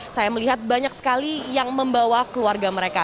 saya melihat banyak sekali yang membawa keluarga mereka